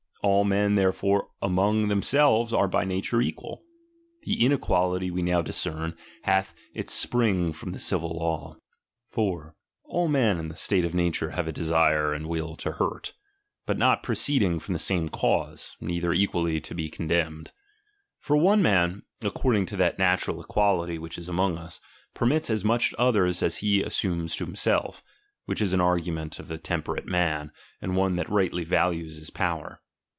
All men therefore among themselves are ■ by nature equal ; the inequahty we now discera, ^| hath its spring from the civil law. ^ 4. All men in the state of nature have a desire MTicnwthB and will to hurt, but not proceeding from the same "yLi^Blll^h cause, neither equally to be condemned. For one"""^ man, according to that natural equality which is among us, permits as much to others as he as sumes to himself ; which is an argument of a tem perate man, and one that rightly values his power.